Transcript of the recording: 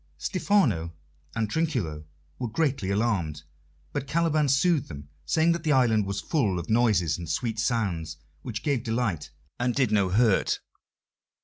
Stephano and Trinculo were greatly alarmed, but Caliban soothed them, saying that the island was full of noises and sweet sounds which gave delight and did no hurt.